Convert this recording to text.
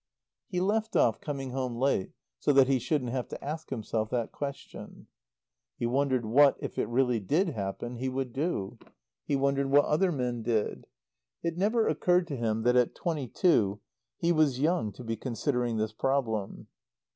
He left off coming home late so that he shouldn't have to ask himself that question. He wondered what if it really did happen he would do. He wondered what other men did. It never occurred to him that at twenty two he was young to be considering this problem.